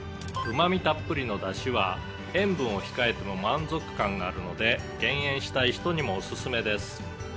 「うまみたっぷりのだしは塩分を控えても満足感があるので減塩したい人にもおすすめです」